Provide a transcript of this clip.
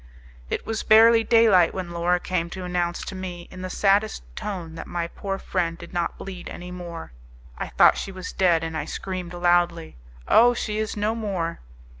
It was barely daylight when Laura same to announce to me, in the saddest tone, that my poor friend did not bleed any more. I thought she was dead, and I screamed loudly, "Oh! she is no more!"